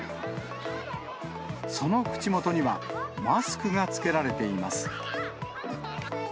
その口元には、マスクが着けられています。